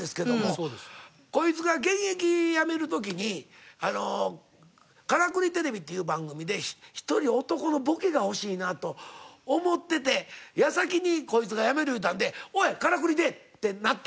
そうですよ。こいつが現役やめる時に『からくりＴＶ』っていう番組で１人男のボケが欲しいなと思ってて矢先にこいつがやめる言うたんで「おい『からくり』出え」ってなったんですよ。